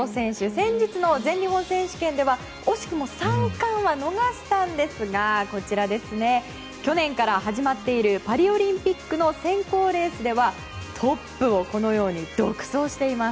先日の全日本選手権では惜しくも３冠は逃したんですが去年から始まっているパリオリンピックの選考レースはトップをこのように独走しています。